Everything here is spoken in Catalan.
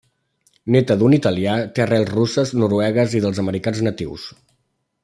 Néta d'un italià, té arrels russes, noruegues i dels americans natius.